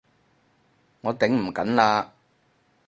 我頂唔緊喇！